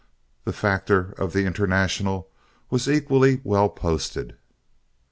The factor of the International was equally well posted.